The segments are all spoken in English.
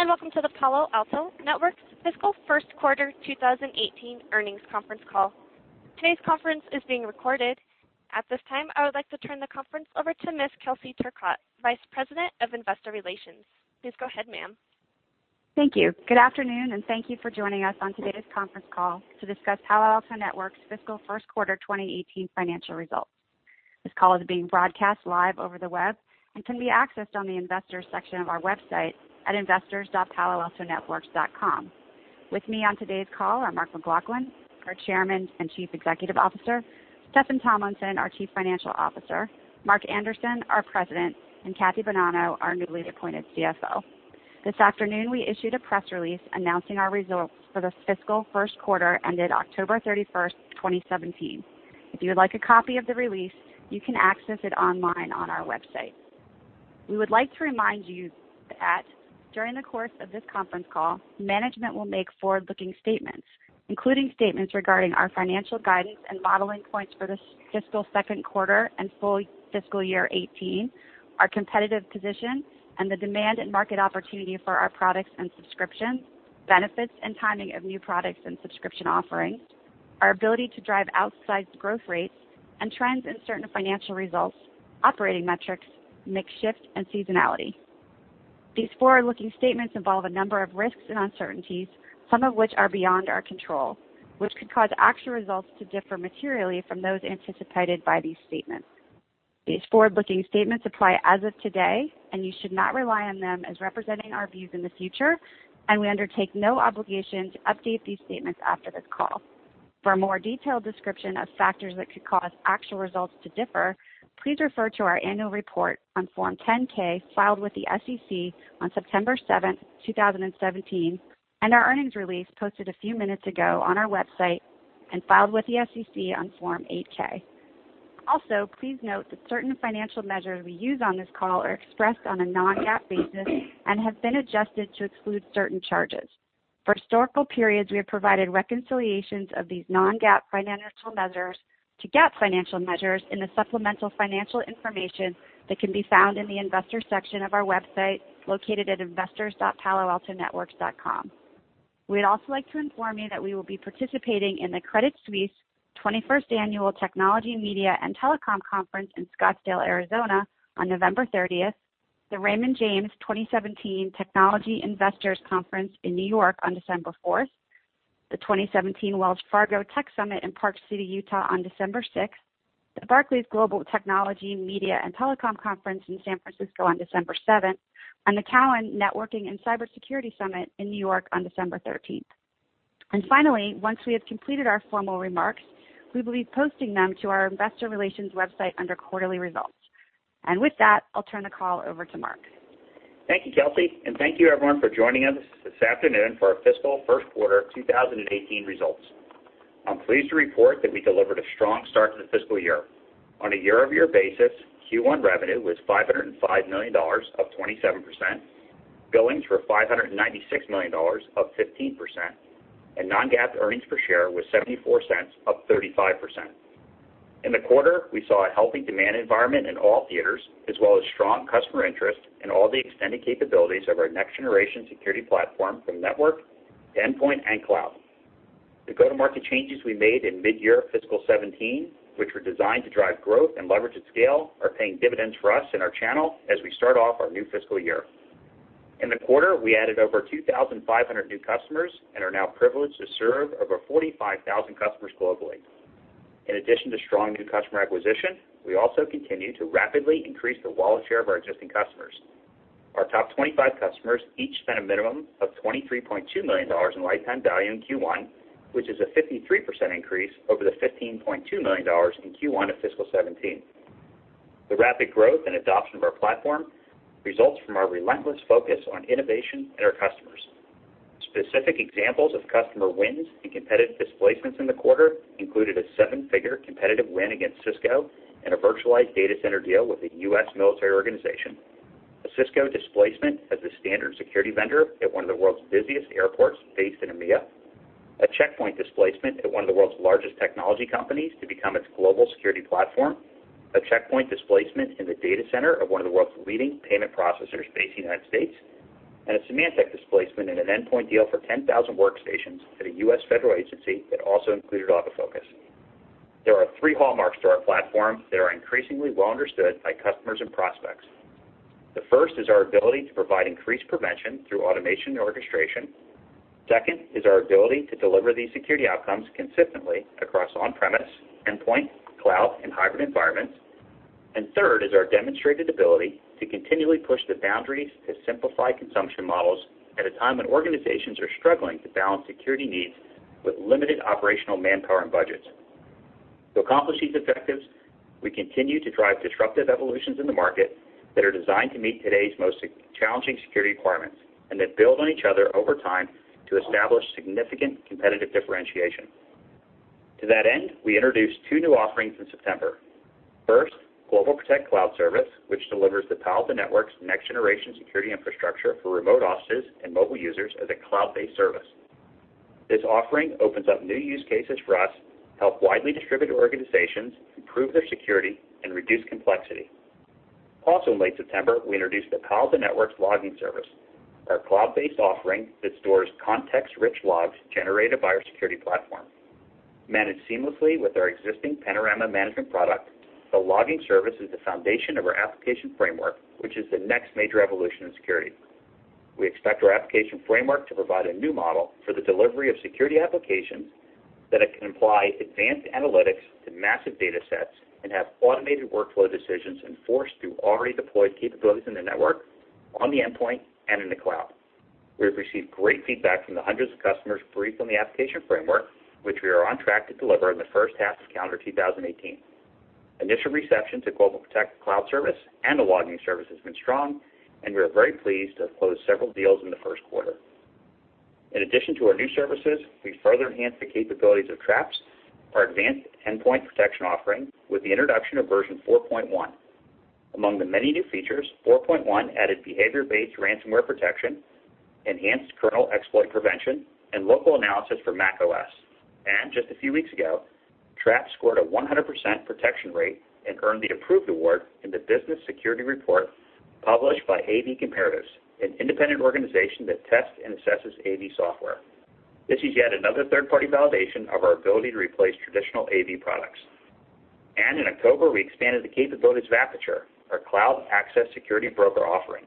Good day, welcome to the Palo Alto Networks fiscal first quarter 2018 earnings conference call. Today's conference is being recorded. At this time, I would like to turn the conference over to Ms. Kelsey Turcotte, Vice President of Investor Relations. Please go ahead, ma'am. Thank you. Good afternoon, thank you for joining us on today's conference call to discuss Palo Alto Networks' fiscal first quarter 2018 financial results. This call is being broadcast live over the web and can be accessed on the investors section of our website at investors.paloaltonetworks.com. With me on today's call are Mark McLaughlin, our Chairman and Chief Executive Officer, Steffan Tomlinson, our Chief Financial Officer, Mark Anderson, our President, and Kathy Bonanno, our newly appointed CFO. This afternoon, we issued a press release announcing our results for the fiscal first quarter ended October 31st, 2017. If you would like a copy of the release, you can access it online on our website. We would like to remind you that during the course of this conference call, management will make forward-looking statements, including statements regarding our financial guidance and modeling points for the fiscal second quarter and full fiscal year 2018, our competitive position, and the demand and market opportunity for our products and subscriptions, benefits and timing of new products and subscription offerings, our ability to drive outsized growth rates, and trends in certain financial results, operating metrics, mix shift and seasonality. These forward-looking statements involve a number of risks and uncertainties, some of which are beyond our control, which could cause actual results to differ materially from those anticipated by these statements. These forward-looking statements apply as of today, and you should not rely on them as representing our views in the future, and we undertake no obligation to update these statements after this call. For a more detailed description of factors that could cause actual results to differ, please refer to our annual report on Form 10-K filed with the SEC on September 7th, 2017, and our earnings release posted a few minutes ago on our website and filed with the SEC on Form 8-K. Also, please note that certain financial measures we use on this call are expressed on a non-GAAP basis and have been adjusted to exclude certain charges. For historical periods, we have provided reconciliations of these non-GAAP financial measures to GAAP financial measures in the supplemental financial information that can be found in the investors section of our website, located at investors.paloaltonetworks.com. We'd also like to inform you that we will be participating in the Credit Suisse 21st Annual Technology, Media and Telecom Conference in Scottsdale, Arizona on November 30th, the Raymond James 2017 Technology Investors Conference in New York on December 4th, the 2017 Wells Fargo Tech Summit in Park City, Utah on December 6th, the Barclays Global Technology, Media and Telecom Conference in San Francisco on December 7th, and the Cowen Networking and Cybersecurity Summit in New York on December 13th. Finally, once we have completed our formal remarks, we will be posting them to our investor relations website under quarterly results. With that, I'll turn the call over to Mark. Thank you, Kelsey, and thank you everyone for joining us this afternoon for our fiscal first quarter 2018 results. I'm pleased to report that we delivered a strong start to the fiscal year. On a year-over-year basis, Q1 revenue was $505 million, up 27%, billings were $596 million, up 15%, and non-GAAP earnings per share was $0.74, up 35%. In the quarter, we saw a healthy demand environment in all theaters, as well as strong customer interest in all the extended capabilities of our next-generation security platform from network to endpoint and cloud. The go-to-market changes we made in mid-year fiscal 2017, which were designed to drive growth and leverage at scale, are paying dividends for us and our channel as we start off our new fiscal year. In the quarter, we added over 2,500 new customers and are now privileged to serve over 45,000 customers globally. In addition to strong new customer acquisition, we also continue to rapidly increase the wallet share of our existing customers. Our top 25 customers each spent a minimum of $23.2 million in lifetime value in Q1, which is a 53% increase over the $15.2 million in Q1 of fiscal 2017. The rapid growth and adoption of our platform results from our relentless focus on innovation and our customers. Specific examples of customer wins and competitive displacements in the quarter included a seven-figure competitive win against Cisco in a virtualized data center deal with a U.S. military organization, a Cisco displacement as the standard security vendor at one of the world's busiest airports based in EMEA, a Check Point displacement at one of the world's largest technology companies to become its global security platform, a Check Point displacement in the data center of one of the world's leading payment processors based in the United States, and a Symantec displacement in an endpoint deal for 10,000 workstations at a U.S. federal agency that also included AutoFocus. There are three hallmarks to our platform that are increasingly well understood by customers and prospects. The first is our ability to provide increased prevention through automation and orchestration. Second is our ability to deliver these security outcomes consistently across on-premise, endpoint, cloud, and hybrid environments. Third is our demonstrated ability to continually push the boundaries to simplify consumption models at a time when organizations are struggling to balance security needs with limited operational manpower and budgets. To accomplish these objectives, we continue to drive disruptive evolutions in the market that are designed to meet today's most challenging security requirements and that build on each other over time to establish significant competitive differentiation. To that end, we introduced two new offerings in September. First, GlobalProtect cloud service, which delivers the Palo Alto Networks next-generation security infrastructure for remote offices and mobile users as a cloud-based service. This offering opens up new use cases for us, help widely distributed organizations improve their security and reduce complexity. In late September, we introduced the Palo Alto Networks Logging Service, our cloud-based offering that stores context-rich logs generated by our security platform. Managed seamlessly with our existing Panorama management product, the Logging Service is the foundation of our Application Framework, which is the next major evolution in security. We expect our Application Framework to provide a new model for the delivery of security applications that it can apply advanced analytics to massive data sets and have automated workflow decisions enforced through already deployed capabilities in the network, on the endpoint, and in the cloud. We have received great feedback from the hundreds of customers briefed on the Application Framework, which we are on track to deliver in the first half of calendar 2018. Initial reception to GlobalProtect cloud service and the Logging Service has been strong, and we are very pleased to have closed several deals in the first quarter. In addition to our new services, we further enhanced the capabilities of Traps, our advanced endpoint protection offering, with the introduction of version 4.1. Among the many new features, 4.1 added behavior-based ransomware protection, enhanced kernel exploit prevention, and local analysis for macOS. Just a few weeks ago, Traps scored a 100% protection rate and earned the Approved award in the Business Security Report published by AV-Comparatives, an independent organization that tests and assesses AV software. This is yet another third-party validation of our ability to replace traditional AV products. In October, we expanded the capabilities of Aperture, our cloud access security broker offering.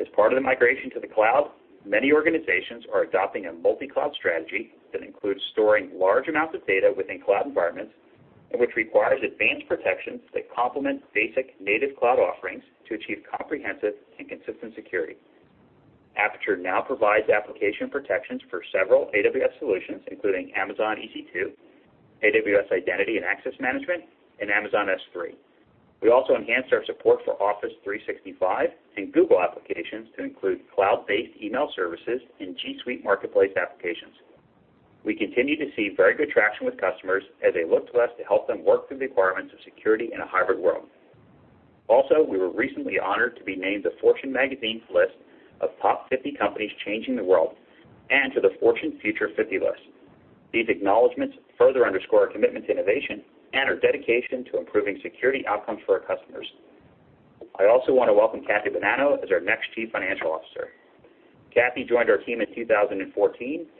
As part of the migration to the cloud, many organizations are adopting a multi-cloud strategy that includes storing large amounts of data within cloud environments and which requires advanced protections that complement basic native cloud offerings to achieve comprehensive and consistent security. Aperture now provides application protections for several AWS solutions, including Amazon EC2, AWS Identity and Access Management, and Amazon S3. We also enhanced our support for Office 365 and Google applications to include cloud-based email services and G Suite Marketplace applications. We continue to see very good traction with customers as they look to us to help them work through the requirements of security in a hybrid world. We were recently honored to be named to Fortune magazine's list of top 50 companies changing the world and to the Fortune Future 50 list. These acknowledgments further underscore our commitment to innovation and our dedication to improving security outcomes for our customers. I also want to welcome Kathy Bonanno as our next Chief Financial Officer. Kathy joined our team in 2014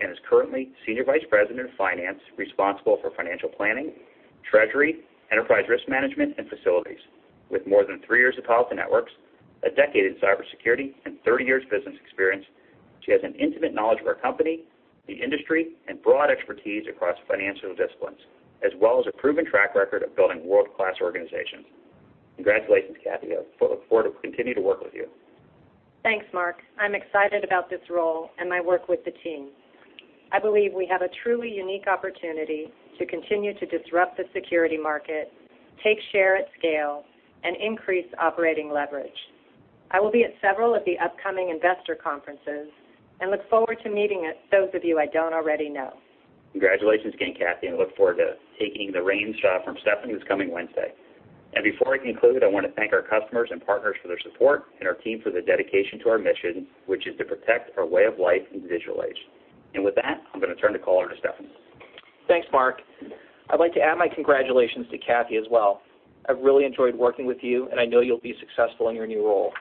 and is currently senior vice president of finance, responsible for financial planning, treasury, enterprise risk management, and facilities. With more than three years at Palo Alto Networks, a decade in cybersecurity, and 30 years business experience, she has an intimate knowledge of our company, the industry, and broad expertise across financial disciplines, as well as a proven track record of building world-class organizations. Congratulations, Kathy. I look forward to continue to work with you. Thanks, Mark. I'm excited about this role and my work with the team. I believe we have a truly unique opportunity to continue to disrupt the security market, take share at scale, and increase operating leverage. I will be at several of the upcoming investor conferences and look forward to meeting those of you I don't already know. Congratulations again, Kathy, look forward to taking the reins from Steffan this coming Wednesday. Before I conclude, I want to thank our customers and partners for their support and our team for their dedication to our mission, which is to protect our way of life in the digital age. With that, I'm going to turn the call over to Steffan. Thanks, Mark. I'd like to add my congratulations to Kathy as well. I've really enjoyed working with you, and I know you'll be successful in your new role.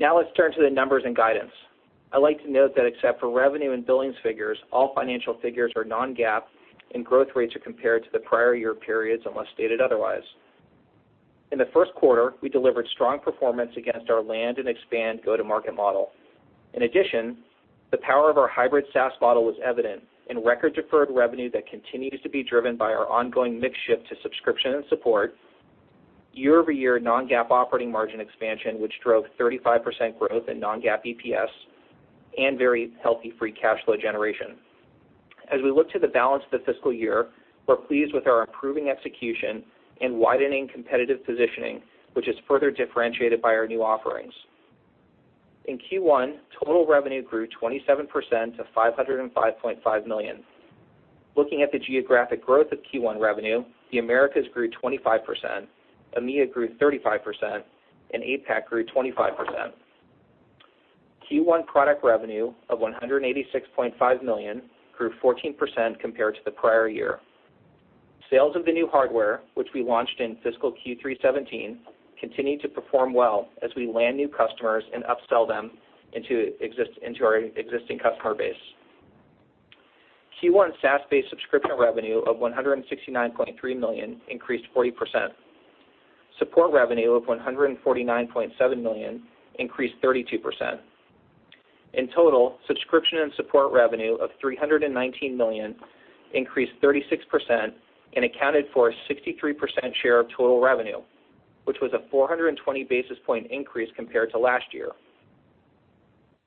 Now let's turn to the numbers and guidance. I'd like to note that except for revenue and billings figures, all financial figures are non-GAAP, and growth rates are compared to the prior year periods, unless stated otherwise. In the first quarter, we delivered strong performance against our land and expand go-to-market model. In addition, the power of our hybrid SaaS model was evident in record deferred revenue that continues to be driven by our ongoing mix shift to subscription and support, year-over-year non-GAAP operating margin expansion, which drove 35% growth in non-GAAP EPS, and very healthy free cash flow generation. As we look to the balance of the fiscal year, we are pleased with our improving execution and widening competitive positioning, which is further differentiated by our new offerings. In Q1, total revenue grew 27% to $505.5 million. Looking at the geographic growth of Q1 revenue, the Americas grew 25%, EMEA grew 35%, and APAC grew 25%. Q1 product revenue of $186.5 million grew 14% compared to the prior year. Sales of the new hardware, which we launched in fiscal Q3 2017, continued to perform well as we land new customers and upsell them into our existing customer base. Q1 SaaS-based subscription revenue of $169.3 million increased 40%. Support revenue of $149.7 million increased 32%. In total, subscription and support revenue of $319 million increased 36% and accounted for a 63% share of total revenue, which was a 420 basis point increase compared to last year.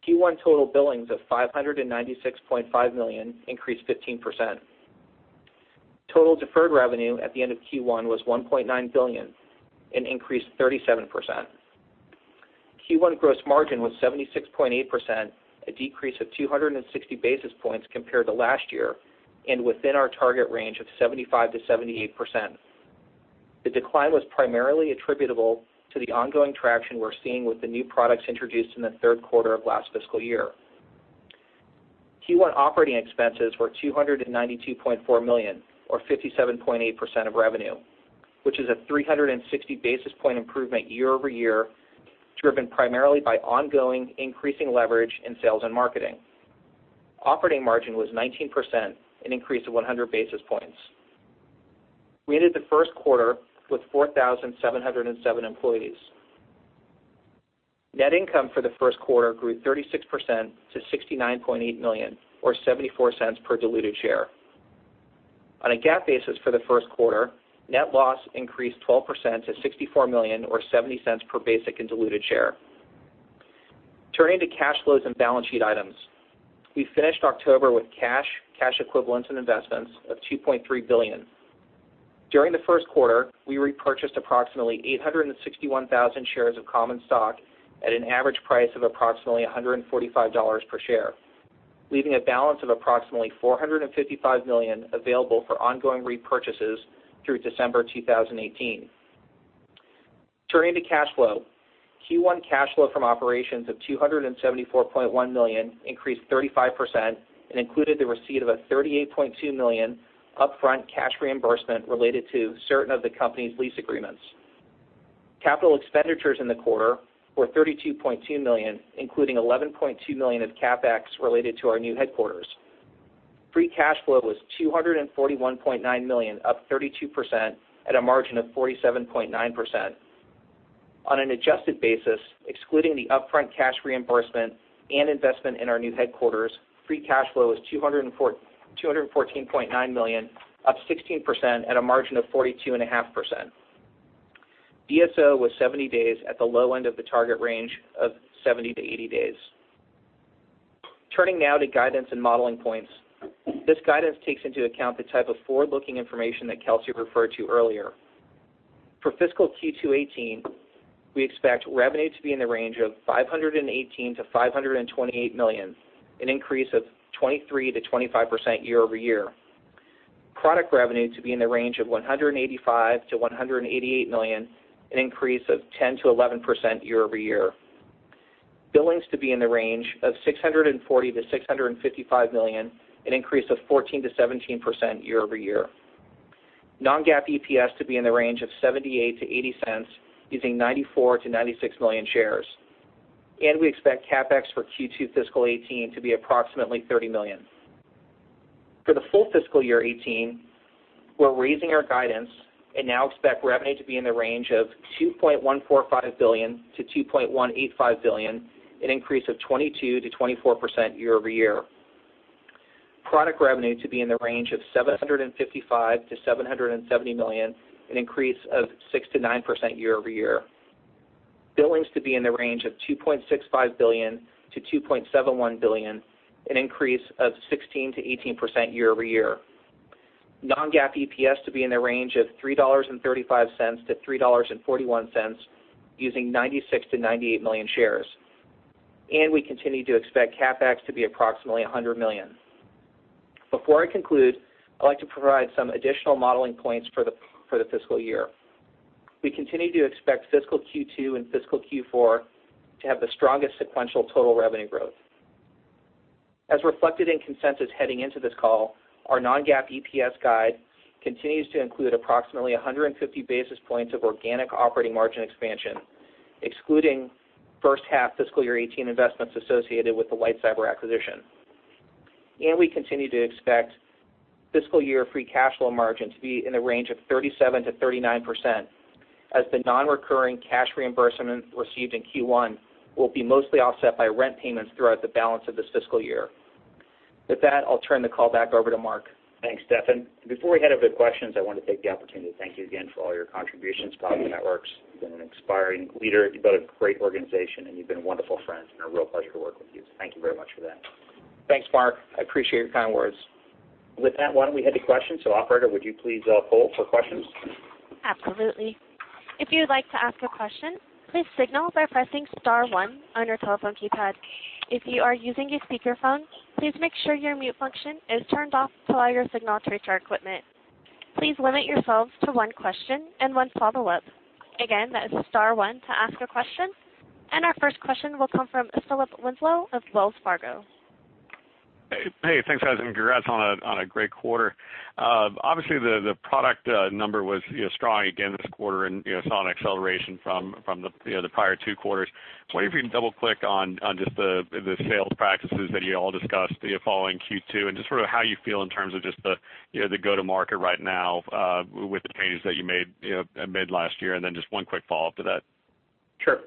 Q1 total billings of $596.5 million increased 15%. Total deferred revenue at the end of Q1 was $1.9 billion, an increase 37%. Q1 gross margin was 76.8%, a decrease of 260 basis points compared to last year and within our target range of 75%-78%. The decline was primarily attributable to the ongoing traction we are seeing with the new products introduced in the third quarter of last fiscal year. Q1 operating expenses were $292.4 million, or 57.8% of revenue, which is a 360 basis point improvement year-over-year, driven primarily by ongoing increasing leverage in sales and marketing. Operating margin was 19%, an increase of 100 basis points. We ended the first quarter with 4,707 employees. Net income for the first quarter grew 36% to $69.8 million, or $0.74 per diluted share. On a GAAP basis for the first quarter, net loss increased 12% to $64 million or $0.70 per basic and diluted share. Turning to cash flows and balance sheet items, we finished October with cash equivalents, and investments of $2.3 billion. During the first quarter, we repurchased approximately 861,000 shares of common stock at an average price of approximately $145 per share, leaving a balance of approximately $455 million available for ongoing repurchases through December 2018. Turning to cash flow, Q1 cash flow from operations of $274.1 million increased 35% and included the receipt of a $38.2 million upfront cash reimbursement related to certain of the company's lease agreements. Capital expenditures in the quarter were $32.2 million, including $11.2 million of CapEx related to our new headquarters. Free cash flow was $241.9 million, up 32%, at a margin of 47.9%. On an adjusted basis, excluding the upfront cash reimbursement and investment in our new headquarters, free cash flow was $214.9 million, up 16% at a margin of 42.5%. DSO was 70 days at the low end of the target range of 70-80 days. Turning now to guidance and modeling points. This guidance takes into account the type of forward-looking information that Kelsey referred to earlier. For fiscal Q2 2018, we expect revenue to be in the range of $518 million-$528 million, an increase of 23%-25% year-over-year. Product revenue to be in the range of $185 million-$188 million, an increase of 10%-11% year-over-year. Billings to be in the range of $640 million-$655 million, an increase of 14%-17% year-over-year. Non-GAAP EPS to be in the range of $0.78-$0.80, using 94 million-96 million shares. We expect CapEx for Q2 fiscal 2018 to be approximately $30 million. For the full fiscal year 2018, we're raising our guidance and now expect revenue to be in the range of $2.145 billion-$2.185 billion, an increase of 22%-24% year-over-year. Product revenue to be in the range of $755 million-$770 million, an increase of 6%-9% year-over-year. Billings to be in the range of $2.65 billion-$2.71 billion, an increase of 16%-18% year-over-year. Non-GAAP EPS to be in the range of $3.35-$3.41, using 96 million-98 million shares. We continue to expect CapEx to be approximately $100 million. Before I conclude, I'd like to provide some additional modeling points for the fiscal year. We continue to expect fiscal Q2 and fiscal Q4 to have the strongest sequential total revenue growth. As reflected in consensus heading into this call, our non-GAAP EPS guide continues to include approximately 150 basis points of organic operating margin expansion, excluding first half fiscal year 2018 investments associated with the LightCyber acquisition. We continue to expect fiscal year free cash flow margin to be in the range of 37%-39% as the non-recurring cash reimbursement received in Q1 will be mostly offset by rent payments throughout the balance of this fiscal year. With that, I'll turn the call back over to Mark. Thanks, Steffan. Before we head over to questions, I want to take the opportunity to thank you again for all your contributions to Palo Alto Networks. You've been an inspiring leader, you've built a great organization, and you've been a wonderful friend, and a real pleasure to work with you. Thank you very much for that. Thanks, Mark. I appreciate your kind words. With that, why don't we head to questions? Operator, would you please pull for questions. Absolutely. If you'd like to ask a question, please signal by pressing *1 on your telephone keypad. If you are using a speakerphone, please make sure your mute function is turned off to allow your signal to reach our equipment. Please limit yourselves to one question and one follow-up. Again, that is *1 to ask a question. Our first question will come from Philip Winslow of Wells Fargo. Hey, thanks guys, and congrats on a great quarter. Obviously, the product number was strong again this quarter and saw an acceleration from the other prior two quarters. I wonder if you can double-click on just the sales practices that you all discussed following Q2 and just sort of how you feel in terms of just the go-to-market right now with the changes that you made last year, and then just one quick follow-up to that. Sure.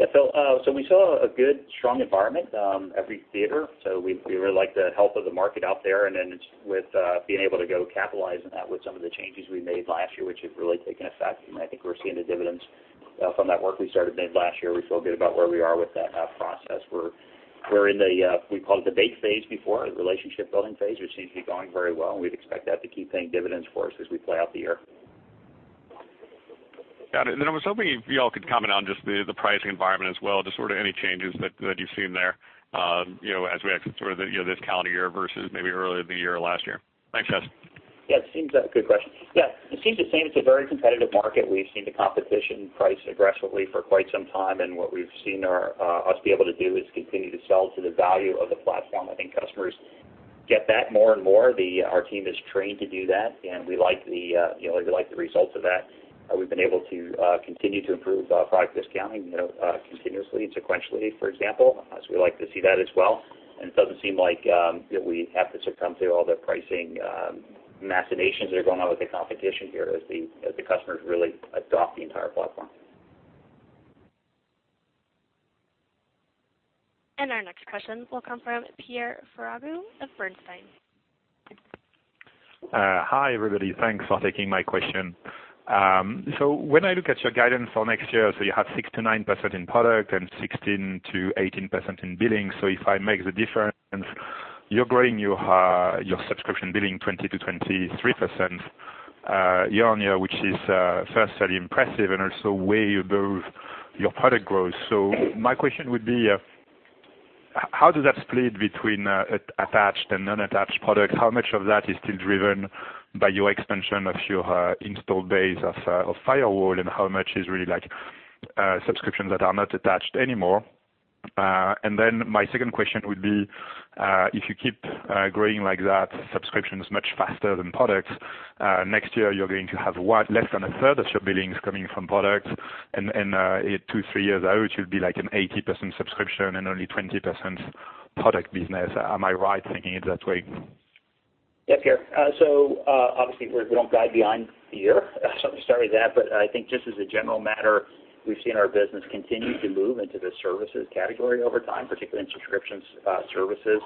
Yeah, Phil, we saw a good strong environment every theater. We really like the health of the market out there and then with being able to go capitalize on that with some of the changes we made last year, which have really taken effect. I think we're seeing the dividends from that work we started then last year. We feel good about where we are with that process. We called it the base phase before, the relationship-building phase, which seems to be going very well, and we'd expect that to keep paying dividends for us as we play out the year. Got it. I was hoping you all could comment on just the pricing environment as well, just any changes that you've seen there, as we exit this calendar year versus maybe earlier in the year or last year. Thanks, [Kelsey]. Good question. It seems the same. It's a very competitive market. We've seen the competition price aggressively for quite some time, what we've seen us be able to do is continue to sell to the value of the platform. I think customers get that more and more. Our team is trained to do that, we like the results of that. We've been able to continue to improve product discounting, continuously, sequentially, for example, we like to see that as well. It doesn't seem like we have to succumb to all the pricing machinations that are going on with the competition here as the customers really adopt the entire platform. Our next question will come from Pierre Ferragu of Bernstein. Hi, everybody. Thanks for taking my question. When I look at your guidance for next year, you have 6%-9% in product and 16%-18% in billing. If I make the difference, you're growing your subscription billing 20%-23% year-on-year, which is firstly impressive and also way above your product growth. My question would be, how does that split between attached and unattached products? How much of that is still driven by your expansion of your install base of firewall, and how much is really subscriptions that are not attached anymore? My second question would be, if you keep growing like that, subscriptions much faster than products, next year you're going to have what, less than a third of your billings coming from products, and in two, three years out, it should be like an 80% subscription and only 20% product business. Am I right thinking it that way? Yeah, Pierre. Obviously, we don't guide beyond the year, so I'm sorry that, but I think just as a general matter, we've seen our business continue to move into the services category over time, particularly in subscription services,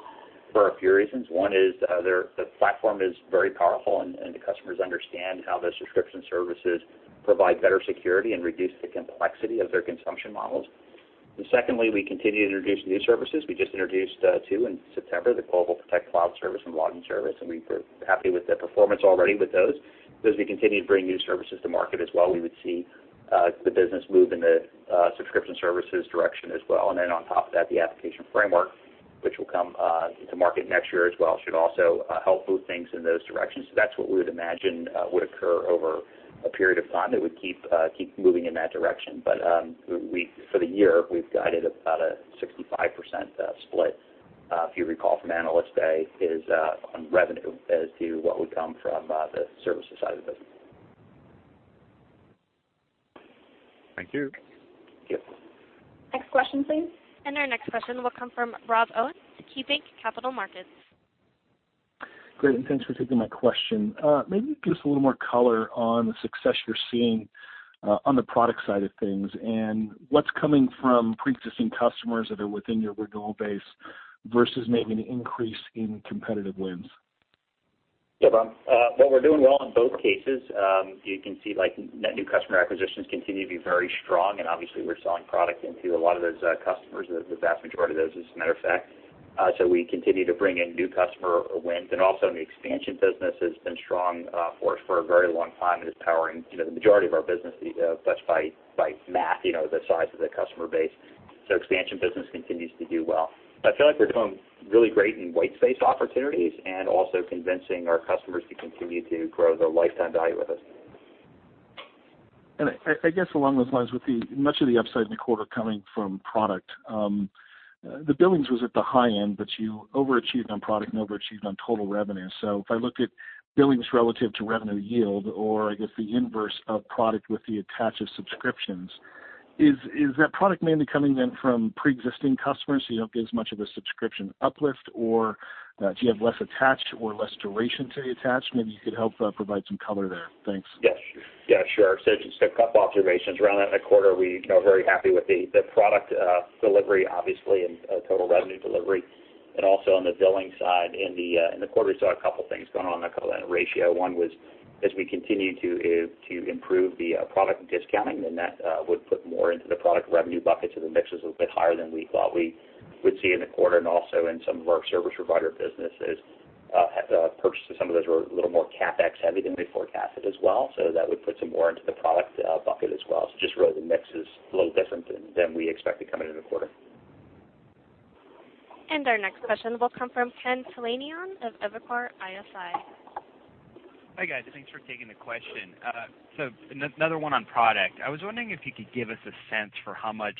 for a few reasons. One is, the platform is very powerful, and the customers understand how the subscription services provide better security and reduce the complexity of their consumption models. Secondly, we continue to introduce new services. We just introduced two in September, the GlobalProtect cloud service and Logging Service, and we're happy with the performance already with those. As we continue to bring new services to market as well, we would see the business move in the subscription services direction as well. On top of that, the Application Framework, which will come into market next year as well, should also help move things in those directions. That's what we would imagine would occur over a period of time, that we keep moving in that direction. For the year, we've guided about a 65% split. If you recall from Analyst Day, is on revenue as to what would come from the services side of the business. Thank you. Yep. Next question, please. Our next question will come from Rob Owens, KeyBanc Capital Markets. Great, and thanks for taking my question. Maybe give us a little more color on the success you're seeing on the product side of things, and what's coming from pre-existing customers that are within your renewal base versus maybe an increase in competitive wins. Yeah, Rob. Well, we're doing well in both cases. You can see net new customer acquisitions continue to be very strong, and obviously we're selling product into a lot of those customers, the vast majority of those, as a matter of fact. We continue to bring in new customer wins, and also in the expansion business has been strong for us for a very long time, and is powering the majority of our business, just by math, the size of the customer base. Expansion business continues to do well. I feel like we're doing really great in white space opportunities and also convincing our customers to continue to grow their lifetime value with us. I guess along those lines, with much of the upside in the quarter coming from product, the billings was at the high end, but you overachieved on product and overachieved on total revenue. If I look at billings relative to revenue yield, or I guess the inverse of product with the attached subscriptions, is that product mainly coming in from pre-existing customers who don't give as much of a subscription uplift, or do you have less attached or less duration to the attached? Maybe you could help provide some color there. Thanks. Yes. Yeah, sure. Just a couple observations around that quarter. We're very happy with the product delivery, obviously, and total revenue delivery. Also on the billing side, in the quarter we saw a couple things going on in that ratio. One was, as we continue to improve the product discounting, then that would put more into the product revenue bucket, so the mix is a little bit higher than we thought we would see in the quarter. Also in some of our service provider businesses, purchases, some of those were a little more CapEx heavy than we forecasted as well. That would put some more into the product bucket as well. Just really the mix is a little different than we expected coming into the quarter. Our next question will come from Ken Talanian of Evercore ISI. Hi, guys. Thanks for taking the question. Another one on product. I was wondering if you could give us a sense for how much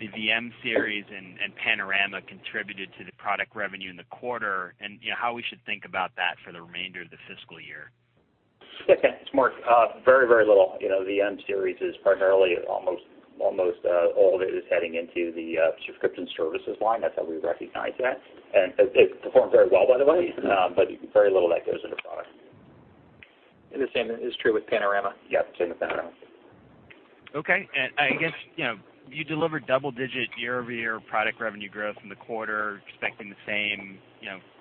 the VM-Series and Panorama contributed to the product revenue in the quarter and how we should think about that for the remainder of the fiscal year. Yeah, Ken, it's Mark. Very, very little. VM-Series is primarily almost all of it is heading into the subscription services line. That's how we recognize that. It performed very well, by the way, but very little of that goes into product. The same is true with Panorama? Yep, same with Panorama. Okay. I guess, you delivered double-digit year-over-year product revenue growth in the quarter, expecting the same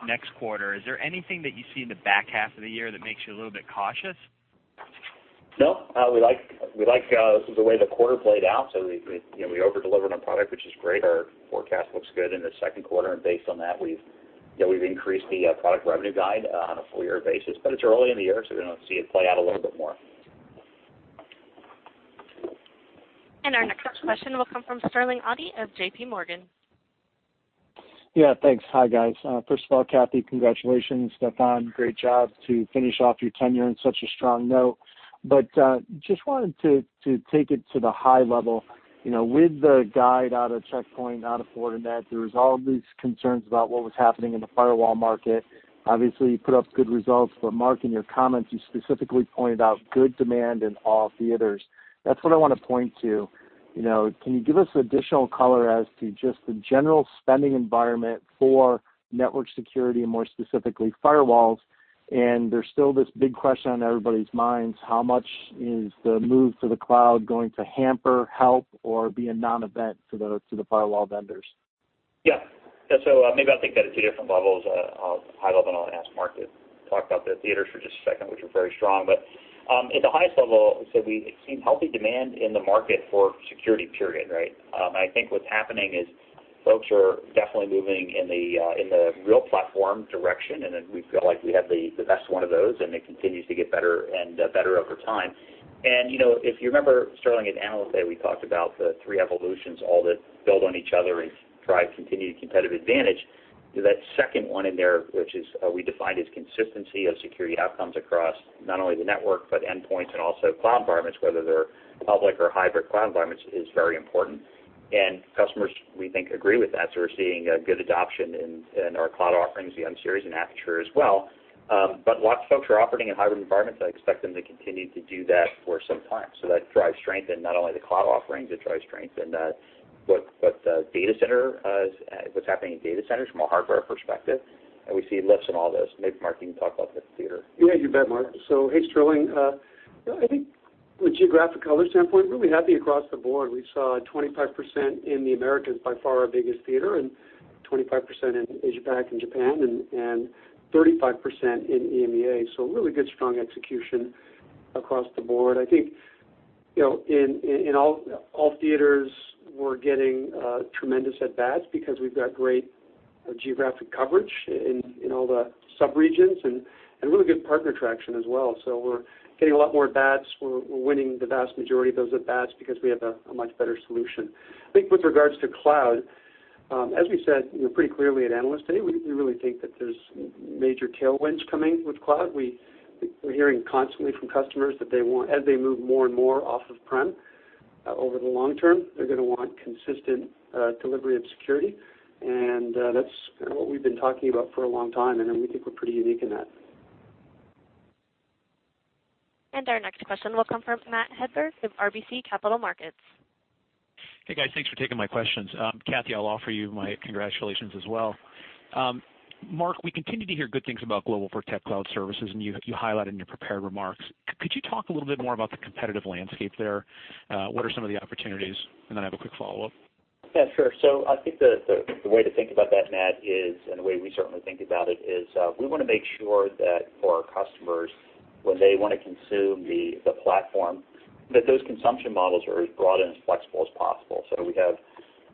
next quarter. Is there anything that you see in the back half of the year that makes you a little bit cautious? No. We like the way the quarter played out. We over-delivered on product, which is great. Our forecast looks good in the second quarter, and based on that, we've Yeah, we've increased the product revenue guide on a full-year basis, but it's early in the year, so we're going to see it play out a little bit more. Our next question will come from Sterling Auty of JP Morgan. Yeah, thanks. Hi, guys. First of all, Kathy, congratulations. Steffan, great job to finish off your tenure on such a strong note. Just wanted to take it to the high level. With the guide out of Check Point, out of Fortinet, there was all these concerns about what was happening in the firewall market. Obviously, you put up good results, Mark, in your comments, you specifically pointed out good demand in all theaters. That's what I want to point to. Can you give us additional color as to just the general spending environment for network security, and more specifically, firewalls? There's still this big question on everybody's minds, how much is the move to the cloud going to hamper, help, or be a non-event to the firewall vendors? Yeah. Maybe I'll take that at two different levels, a high level, and I'll ask Mark to talk about the theaters for just a second, which are very strong. At the highest level, we've seen healthy demand in the market for security, period, right? I think what's happening is folks are definitely moving in the real platform direction, we feel like we have the best one of those, and it continues to get better and better over time. If you remember, Sterling, at Analyst Day, we talked about the three evolutions, all that build on each other and drive continued competitive advantage. That second one in there, which we defined as consistency of security outcomes across not only the network, but endpoints and also cloud environments, whether they're public or hybrid cloud environments, is very important. Customers, we think, agree with that. We're seeing a good adoption in our cloud offerings, the VM-Series and Aperture as well. Lots of folks are operating in hybrid environments, and I expect them to continue to do that for some time. That drives strength in not only the cloud offerings, it drives strength in what's happening in data centers from a hardware perspective. We see lifts in all this. Maybe Mark, you can talk about the theater. Yeah, you bet, Mark. Hey, Sterling. I think from a geographic color standpoint, really happy across the board. We saw 25% in the Americas, by far our biggest theater, and 25% in Asia Pac and Japan, and 35% in EMEA. Really good, strong execution across the board. I think in all theaters, we're getting tremendous at-bats because we've got great geographic coverage in all the sub-regions and really good partner traction as well. We're getting a lot more at-bats. We're winning the vast majority of those at-bats because we have a much better solution. I think with regards to cloud, as we said pretty clearly at Analyst Day, we really think that there's major tailwinds coming with cloud. We're hearing constantly from customers that as they move more and more off of-prem over the long term, they're going to want consistent delivery of security. That's what we've been talking about for a long time, and we think we're pretty unique in that. Our next question will come from Matthew Hedberg with RBC Capital Markets. Hey, guys, thanks for taking my questions. Kathy, I'll offer you my congratulations as well. Mark, we continue to hear good things about GlobalProtect cloud service, and you highlighted in your prepared remarks. Could you talk a little bit more about the competitive landscape there? What are some of the opportunities? I have a quick follow-up. I think the way to think about that, Matt, and the way we certainly think about it, is we want to make sure that for our customers, when they want to consume the platform, that those consumption models are as broad and as flexible as possible.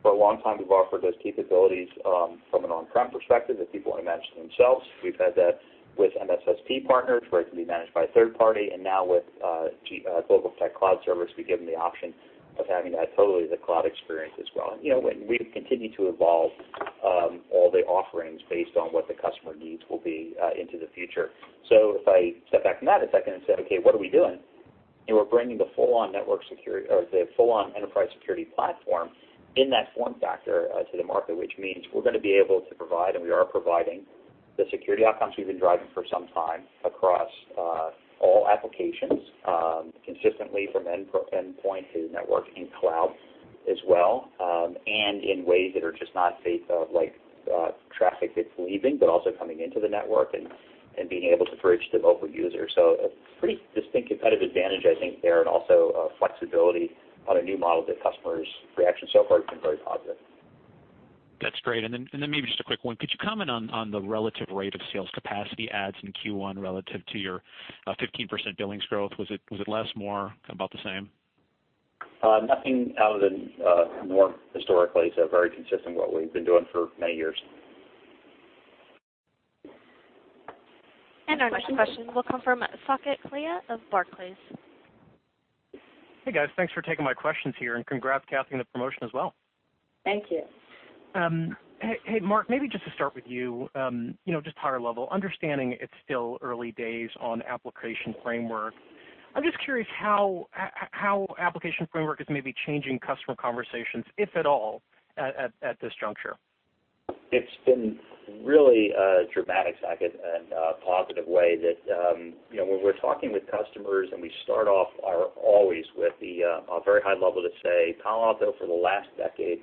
For a long time, we've offered those capabilities from an on-prem perspective, that people want to manage themselves. We've had that with MSSP partners, where it can be managed by a third party. Now with GlobalProtect cloud service, we give them the option of having that totally the cloud experience as well. We continue to evolve all the offerings based on what the customer needs will be into the future. If I step back from that a second and say, "Okay, what are we doing?" We're bringing the full-on enterprise security platform in that form factor to the market, which means we're going to be able to provide, and we are providing the security outcomes we've been driving for some time across all applications, consistently from endpoint to network and cloud as well, and in ways that are just not based on traffic that's leaving, but also coming into the network and being able to bridge the local user. A pretty distinct competitive advantage, I think, there, and also flexibility on a new model that customers' reaction so far has been very positive. That's great. Maybe just a quick one. Could you comment on the relative rate of sales capacity adds in Q1 relative to your 15% billings growth? Was it less, more, about the same? Nothing out of the norm historically. Very consistent with what we've been doing for many years. Our next question will come from Saket Kalia of Barclays. Hey, guys. Thanks for taking my questions here, and congrats, Kathy, on the promotion as well. Thank you. Hey, Mark, maybe just to start with you, just higher level, understanding it's still early days on Application Framework. I'm just curious how Application Framework is maybe changing customer conversations, if at all, at this juncture. It's been really dramatic, Saket, in a positive way that when we're talking with customers and we start off always with the very high level to say Palo Alto, for the last decade,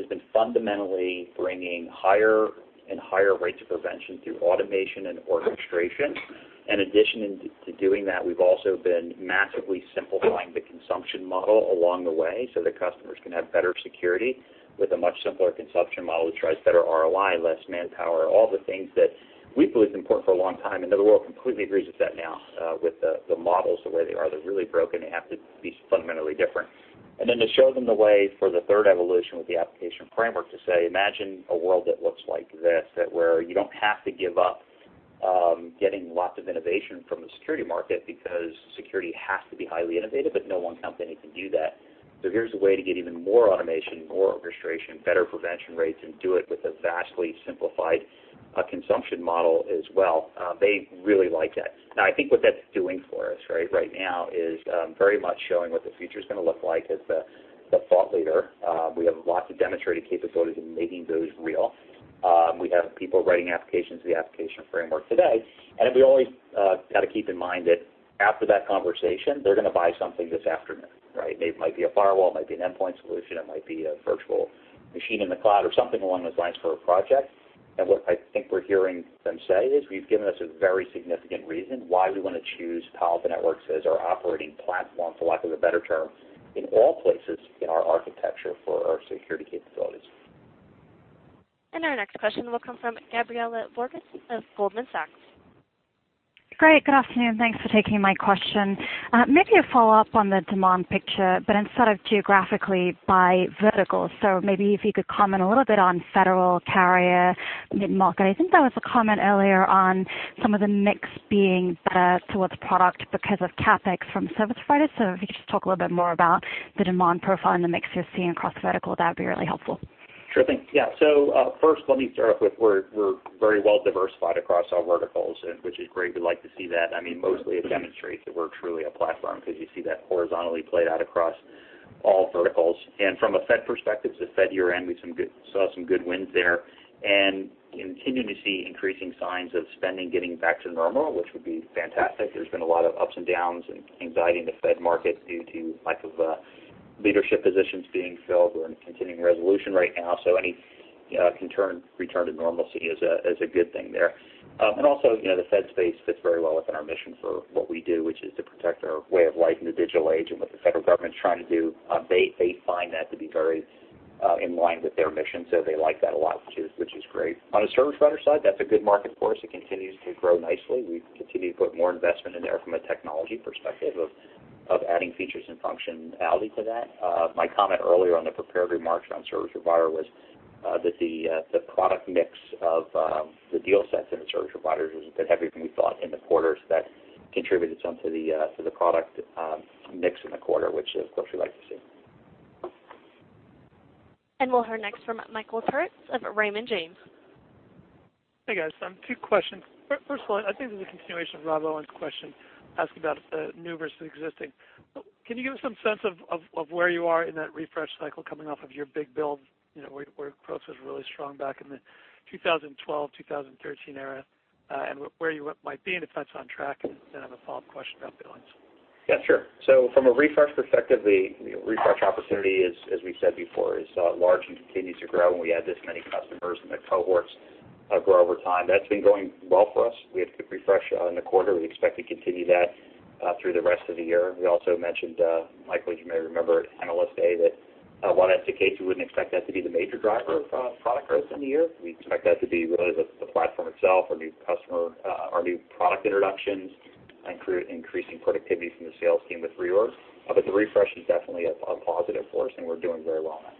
has been fundamentally bringing higher and higher rates of prevention through automation and orchestration. In addition to doing that, we've also been massively simplifying the consumption model along the way so that customers can have better security with a much simpler consumption model that drives better ROI, less manpower, all the things that we've believed important for a long time, the world completely agrees with that now with the models the way they are. They're really broken. They have to be fundamentally different. To show them the way for the third evolution with the Application Framework to say, imagine a world that looks like this, where you don't have to give up getting lots of innovation from the security market because security has to be highly innovative, but no one company can do that. Here's a way to get even more automation, more orchestration, better prevention rates, and do it with a vastly simplified consumption model as well. They really like that. I think what that's doing for us right now is very much showing what the future's going to look like as the thought leader. We have lots of demonstrated capabilities in making those real. We have people writing applications to the Application Framework today. We always got to keep in mind that after that conversation, they're going to buy something this afternoon, right? It might be a firewall, it might be an endpoint solution, it might be a virtual machine in the cloud or something along those lines for a project. What I think we're hearing them say is, we've given us a very significant reason why we want to choose Palo Alto Networks as our operating platform, for lack of a better term, in all places in our architecture for our security capabilities. Our next question will come from Gabriela Borges of Goldman Sachs. Great. Good afternoon. Thanks for taking my question. Maybe a follow-up on the demand picture, but instead of geographically, by vertical. Maybe if you could comment a little bit on federal carrier mid-market. I think there was a comment earlier on some of the mix being better towards product because of CapEx from service providers. If you could just talk a little bit more about the demand profile and the mix you're seeing across vertical, that'd be really helpful. Sure thing. Yeah. First let me start off with we're very well diversified across our verticals, which is great. We like to see that. Mostly it demonstrates that we're truly a platform because you see that horizontally played out across all verticals. From a Federal perspective, it's a Federal year-end. We saw some good wins there, and continuing to see increasing signs of spending getting back to normal, which would be fantastic. There's been a lot of ups and downs and anxiety in the Federal market due to lack of leadership positions being filled. We're in a continuing resolution right now, so any return to normalcy is a good thing there. Also, the Federal space fits very well within our mission for what we do, which is to protect our way of life in the digital age and what the federal government's trying to do. They find that to be very in line with their mission, so they like that a lot, which is great. On the service provider side, that's a good market for us. It continues to grow nicely. We continue to put more investment in there from a technology perspective of adding features and functionality to that. My comment earlier on the prepared remarks on service provider was that the product mix of the deal sets in the service providers was a bit heavier than we thought in the quarter, so that contributed some to the product mix in the quarter, which of course we like to see. We'll hear next from Michael Turits of Raymond James. Hey, guys. Two questions. First one, I think this is a continuation of Rob Owens' question asking about new versus existing. Can you give us some sense of where you are in that refresh cycle coming off of your big build, where growth was really strong back in the 2012, 2013 era, and where you might be in, if that's on track? I have a follow-up question about billings. Yeah, sure. From a refresh perspective, the refresh opportunity, as we've said before, is large and continues to grow. We add this many customers, and the cohorts grow over time. That's been going well for us. We had a good refresh in the quarter. We expect to continue that through the rest of the year. We also mentioned, Michael, as you may remember at Analyst Day that while that's the case, we wouldn't expect that to be the major driver of product growth in the year. We expect that to be really the platform itself, our new product introductions, and increasing productivity from the sales team with reorg. The refresh is definitely a positive for us, and we're doing very well in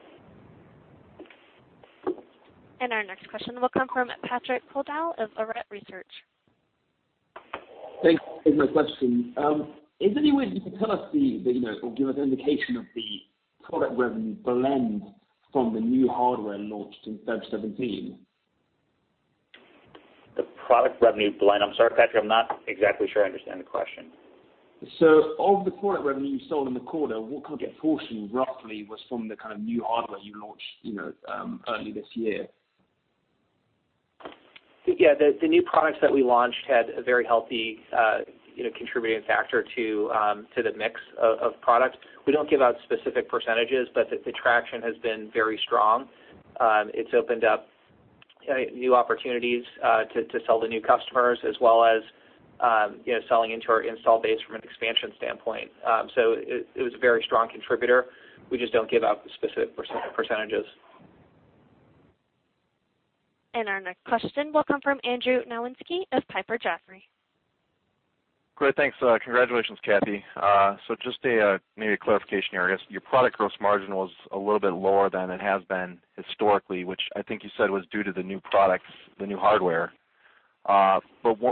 that. Our next question will come from Patrick Colville of ARETE Research. Thanks. Here's my question. Is there any way you could tell us the, or give us an indication of the product revenue blend from the new hardware launched in February 2017? The product revenue blend. I'm sorry, Patrick, I'm not exactly sure I understand the question. Of the product revenue you sold in the quarter, what kind of portion roughly was from the kind of new hardware you launched early this year? The new products that we launched had a very healthy contributing factor to the mix of products. We don't give out specific percentages, but the traction has been very strong. It's opened up new opportunities to sell to new customers as well as selling into our install base from an expansion standpoint. It was a very strong contributor. We just don't give out the specific percentages. Our next question will come from Andrew Nowinski of Piper Jaffray. Great. Thanks. Congratulations, Kathy. Just maybe a clarification here. I guess your product gross margin was a little bit lower than it has been historically, which I think you said was due to the new products, the new hardware.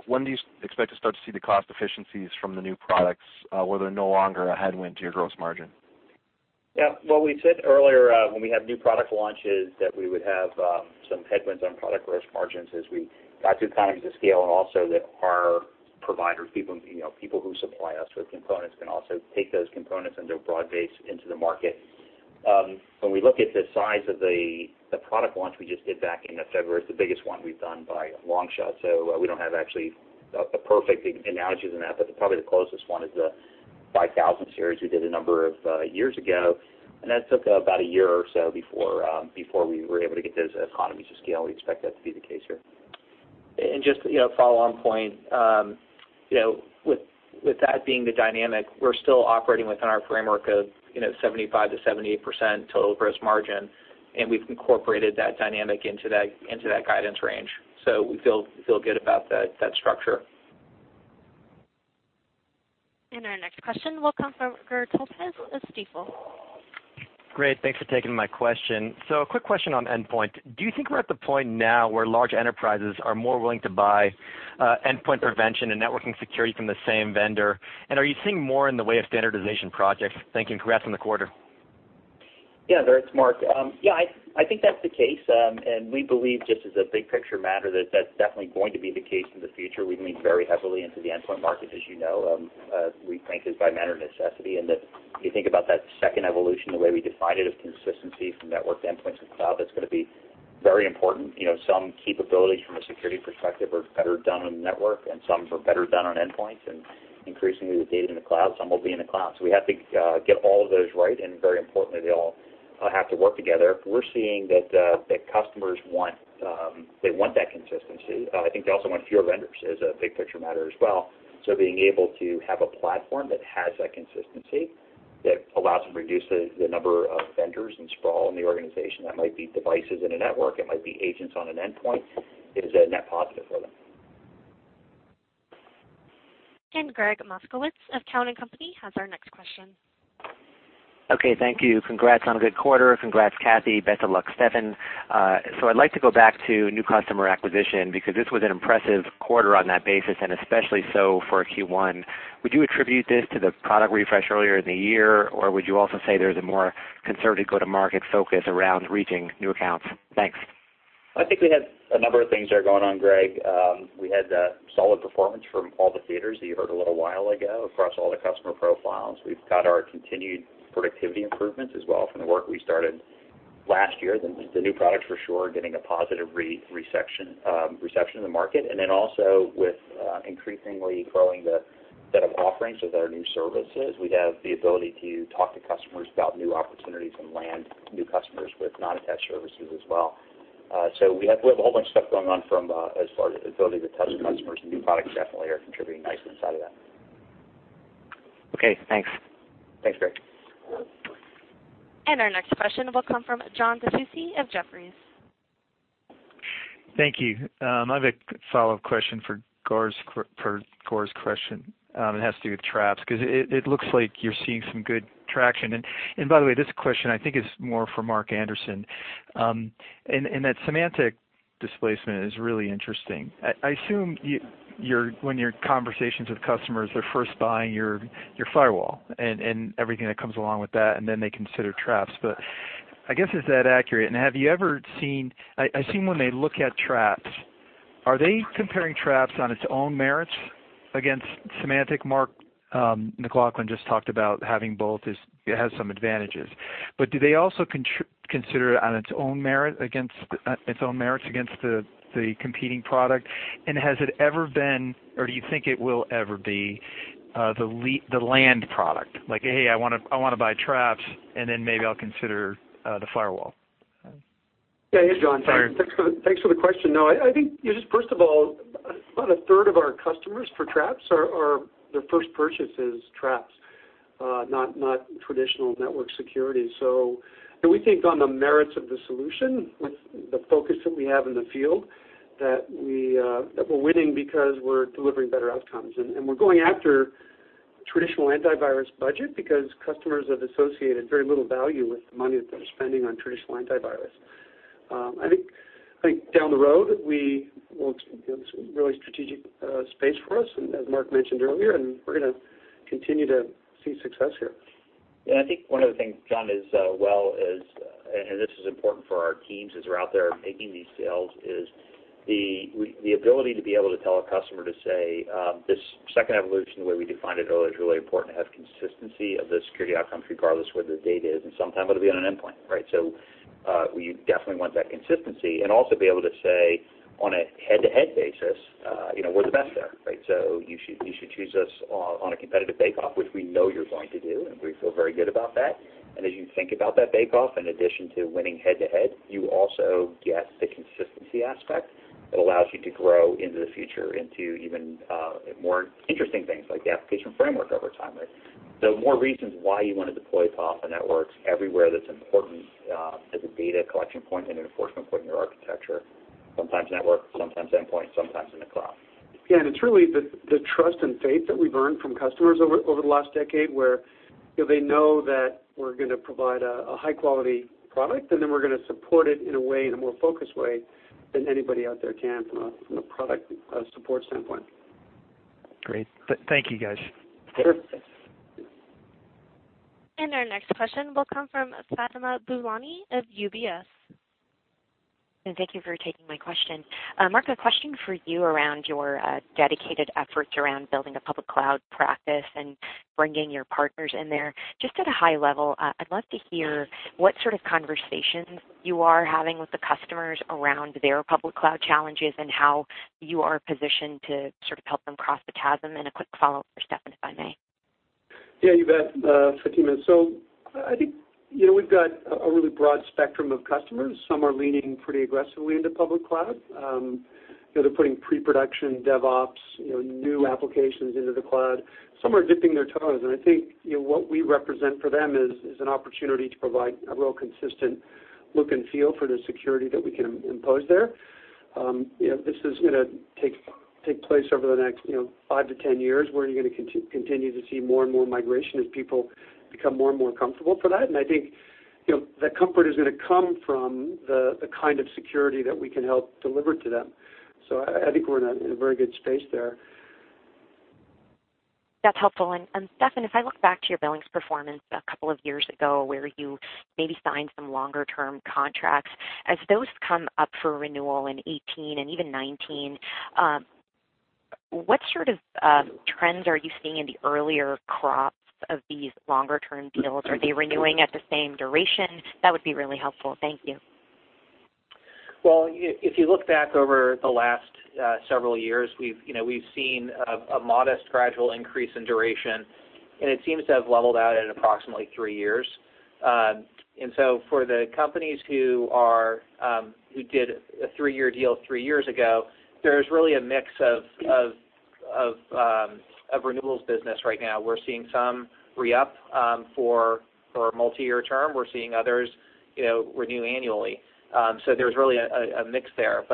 When do you expect to start to see the cost efficiencies from the new products, where they're no longer a headwind to your gross margin? Yeah. Well, we said earlier, when we have new product launches that we would have some headwinds on product gross margins as we got to economies of scale and also that our providers, people who supply us with components, can also take those components into a broad base into the market. When we look at the size of the product launch we just did back in February, it's the biggest one we've done by a long shot. We don't have actually a perfect analogy to that, but probably the closest one is the PA-5000 Series we did a number of years ago. That took about a year or so before we were able to get those economies of scale. We expect that to be the case here. Just a follow-on point. With that being the dynamic, we're still operating within our framework of 75%-78% total gross margin, and we've incorporated that dynamic into that guidance range. We feel good about that structure. Our next question will come from Gur Talpaz of Stifel. Great. Thanks for taking my question. A quick question on endpoint. Do you think we're at the point now where large enterprises are more willing to buy endpoint prevention and networking security from the same vendor? Are you seeing more in the way of standardization projects? Thank you, and congrats on the quarter. Gur, it's Mark. I think that's the case, and we believe just as a big-picture matter, that that's definitely going to be the case in the future. We lean very heavily into the endpoint market, as you know. We think it's by matter of necessity that if you think about that second evolution, the way we define it, of consistency from network to endpoints to cloud, that's going to be very important. Some capabilities from a security perspective are better done on the network, some are better done on endpoints. Increasingly, with data in the cloud, some will be in the cloud. We have to get all of those right, very importantly, they all have to work together. We're seeing that customers want that consistency. I think they also want fewer vendors as a big-picture matter as well. Being able to have a platform that has that consistency, that allows them to reduce the number of vendors and sprawl in the organization, that might be devices in a network, it might be agents on an endpoint, is a net positive for them. Gregg Moskowitz of Cowen and Company has our next question. Okay, thank you. Congrats on a good quarter. Congrats, Kathy. Best of luck, Steffan. I'd like to go back to new customer acquisition because this was an impressive quarter on that basis, and especially so for a Q1. Would you attribute this to the product refresh earlier in the year, or would you also say there's a more concerted go-to-market focus around reaching new accounts? Thanks. I think we had a number of things there going on, Gregg. We had solid performance from all the theaters that you heard a little while ago across all the customer profiles. We've got our continued productivity improvements as well from the work we started last year. The new products for sure are getting a positive reception in the market. Then also with increasingly growing the set of offerings with our new services, we have the ability to talk to customers about new opportunities and land new customers with non-attached services as well. We have a whole bunch of stuff going on as far as ability to touch customers. New products definitely are contributing nicely inside of that. Okay, thanks. Thanks, Gregg. Our next question will come from John DiFucci of Jefferies. Thank you. I have a follow-up question for Gur's question. It has to do with Traps because it looks like you're seeing some good traction. By the way, this question, I think it's more for Mark Anderson. That Symantec displacement is really interesting. I assume when your conversations with customers, they're first buying your firewall and everything that comes along with that, then they consider Traps. I guess, is that accurate? I've seen when they look at Traps, are they comparing Traps on its own merits against Symantec? Mark McLaughlin just talked about having both, it has some advantages. Do they also consider it on its own merits against the competing product? Has it ever been, or do you think it will ever be, the land product? Like, "Hey, I want to buy Traps, and then maybe I'll consider the firewall. Yeah, John. Sorry. Thanks for the question. No, I think just first of all, about a third of our customers for Traps, their first purchase is Traps, not traditional network security. We think on the merits of the solution with the focus that we have in the field, that we're winning because we're delivering better outcomes. We're going after traditional antivirus budget because customers have associated very little value with the money that they're spending on traditional antivirus. I think down the road, it's really strategic space for us, as Mark mentioned earlier, we're going to continue to see success here. I think one of the things, John, as well is, this is important for our teams as they're out there making these sales, is the ability to be able to tell a customer to say, this second evolution, the way we defined it earlier, is really important to have consistency of the security outcomes regardless of where the data is, and sometimes it'll be on an endpoint, right? We definitely want that consistency and also be able to say on a head-to-head basis, we're the best there, right? You should choose us on a competitive bake-off, which we know you're going to do, and we feel very good about that. As you think about that bake-off, in addition to winning head-to-head, you also get the consistency aspect that allows you to grow into the future into even more interesting things like the Application Framework over time. More reasons why you want to deploy Palo Alto Networks everywhere that's important as a data collection point and enforcement point in your architecture, sometimes network, sometimes endpoint, sometimes in the cloud. Yeah, it's really the trust and faith that we've earned from customers over the last decade, where they know that we're going to provide a high-quality product, then we're going to support it in a way, in a more focused way, than anybody out there can from a product support standpoint. Great. Thank you, guys. Sure. Thanks. Our next question will come from Fatima Boolani of UBS. Thank you for taking my question. Mark, a question for you around your dedicated efforts around building a public cloud practice and bringing your partners in there. Just at a high level, I'd love to hear what sort of conversations you are having with the customers around their public cloud challenges and how you are positioned to sort of help them cross the chasm. A quick follow-up for Steffan, if I may. You bet, Fatima. I think we've got a really broad spectrum of customers. Some are leaning pretty aggressively into public cloud. They're putting pre-production DevOps, new applications into the cloud. Some are dipping their toes in. I think what we represent for them is an opportunity to provide a real consistent look and feel for the security that we can impose there. This is going to take place over the next 5 to 10 years, where you're going to continue to see more and more migration as people become more and more comfortable for that. I think that comfort is going to come from the kind of security that we can help deliver to them. I think we're in a very good space there. That's helpful. Steffan, if I look back to your billings performance a couple of years ago, where you maybe signed some longer-term contracts, as those come up for renewal in 2018, and even 2019, what sort of trends are you seeing in the earlier crops of these longer-term deals? Are they renewing at the same duration? That would be really helpful. Thank you. Well, if you look back over the last several years, we've seen a modest gradual increase in duration, and it seems to have leveled out at approximately three years. For the companies who did a three-year deal three years ago, there's really a mix of renewals business right now. We're seeing some re-up for a multi-year term. We're seeing others renew annually. There's really a mix there.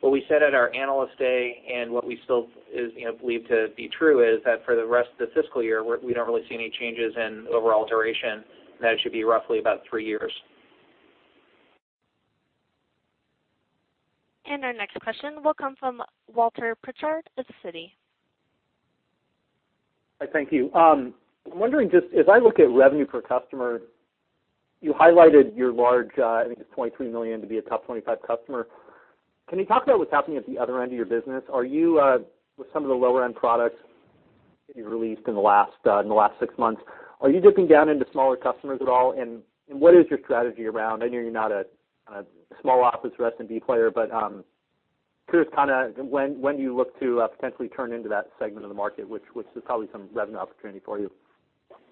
What we said at our Analyst Day and what we still believe to be true is that for the rest of the fiscal year, we don't really see any changes in overall duration, and that it should be roughly about three years. Our next question will come from Walter Pritchard of Citi. Thank you. I'm wondering just as I look at revenue per customer, you highlighted your large, I think it's $23 million to be a top 25 customer. Can you talk about what's happening at the other end of your business? With some of the lower-end products that you released in the last six months, are you dipping down into smaller customers at all? What is your strategy around, I know you're not a small office best-in-breed player, but curious when you look to potentially turn into that segment of the market, which is probably some revenue opportunity for you.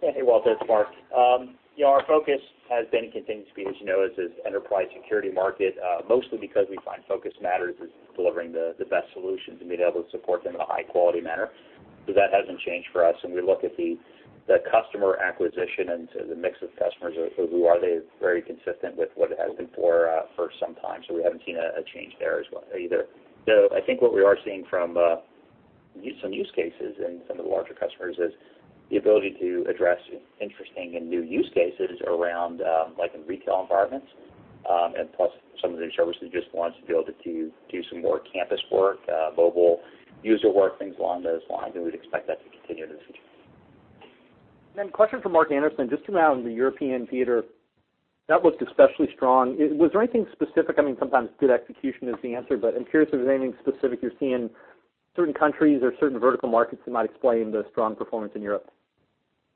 Hey, Walter. It's Mark. Our focus has been, and continues to be, as you know, is this enterprise security market. Mostly because we find focus matters in delivering the best solutions and being able to support them in a high-quality manner. That hasn't changed for us. We look at the customer acquisition and to the mix of customers of who are they, very consistent with what it has been for some time. We haven't seen a change there either. Though I think what we are seeing from some use cases and some of the larger customers is the ability to address interesting and new use cases around, like in retail environments. Plus some of the insurance that just wants to be able to do some more campus work, mobile user work, things along those lines. We'd expect that to continue this year. A question for Mark Anderson, just around the European theater. That looked especially strong. Was there anything specific? Sometimes good execution is the answer, but I'm curious if there's anything specific you're seeing, certain countries or certain vertical markets that might explain the strong performance in Europe.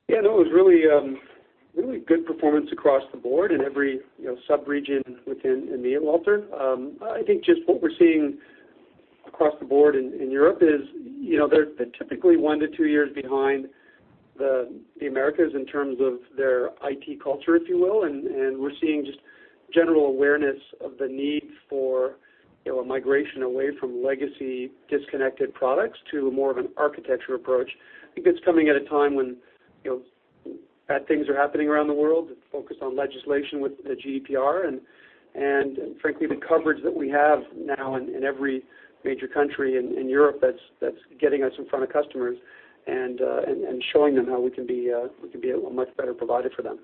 Yeah, no. It was really good performance across the board in every sub-region within EMEA, Walter. I think just what we're seeing across the board in Europe is they're typically one to two years behind the Americas in terms of their IT culture, if you will. We're seeing just general awareness of the need for a migration away from legacy disconnected products to more of an architecture approach. I think it's coming at a time when bad things are happening around the world. It's focused on legislation with the GDPR and frankly, the coverage that we have now in every major country in Europe, that's getting us in front of customers and showing them how we can be a much better provider for them.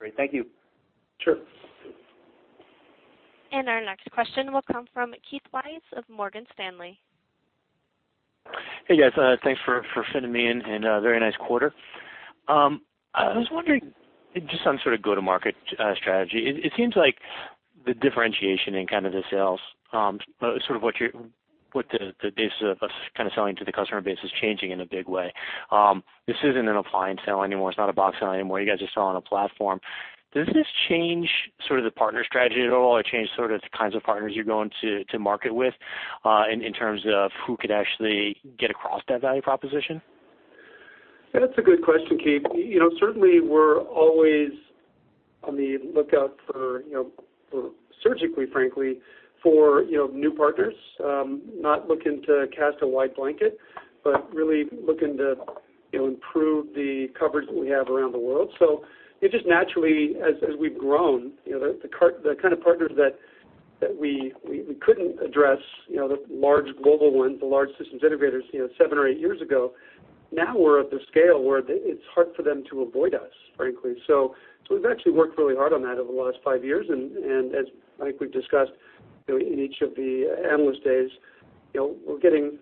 Great. Thank you. Sure. Our next question will come from Keith Weiss of Morgan Stanley. Hey, guys. Thanks for fitting me in, a very nice quarter. I was wondering just on sort of go-to-market strategy. It seems like the differentiation in kind of the sales, sort of what the base of kind of selling to the customer base is changing in a big way. This isn't an appliance sell anymore. It's not a box sell anymore. You guys are selling a platform. Does this change sort of the partner strategy at all, or change sort of the kinds of partners you're going to market with, in terms of who could actually get across that value proposition? That's a good question, Keith. Certainly, we're always on the lookout for, surgically, frankly, for new partners. Not looking to cast a wide blanket, but really looking to improve the coverage that we have around the world. It just naturally, as we've grown, the kind of partners that we couldn't address, the large global ones, the large systems integrators seven or eight years ago, now we're at the scale where it's hard for them to avoid us, frankly. We've actually worked really hard on that over the last five years, and as I think we've discussed in each of the Analyst Days, we're getting